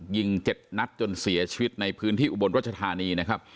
ยิง๗นัดจนเสียชีวิตในพื้นที่อุบลรัชธานีนะครับ